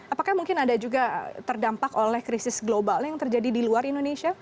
apakah mungkin ada juga terdampak oleh krisis global yang terjadi di luar indonesia